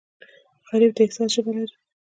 غریب د احساس ژبه لري